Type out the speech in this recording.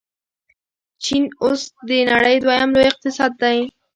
چین اوس د نړۍ دویم لوی اقتصاد دی.